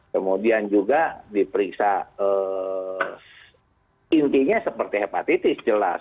kemudian juga diperiksa intinya seperti hepatitis jelas